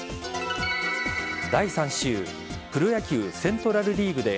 第３週プロ野球セントラル・リーグで